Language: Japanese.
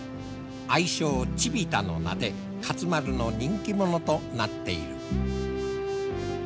愛称チビタの名で勝丸の人気者となっている。